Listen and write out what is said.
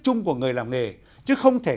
chung của người làm nghề chứ không thể